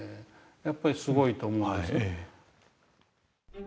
やっぱりすごいと思うんです。